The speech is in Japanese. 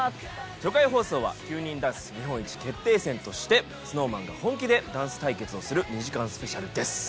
初回放送は９人ダンス日本一決定戦としてＳｎｏｗＭａｎが本気でダンス対決をする２時間スペシャルです